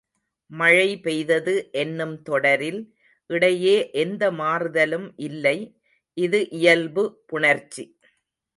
மழை பெய்தது என்னும் தொடரில் இடையே எந்த மாறுதலும் இல்லை இது இயல்பு புணர்ச்சி.